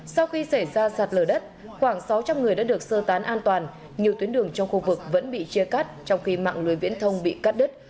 sau khi xảy ra sạt lở đất khoảng sáu trăm linh người đã được sơ tán an toàn nhiều tuyến đường trong khu vực vẫn bị chia cắt trong khi mạng lưới viễn thông bị cắt đứt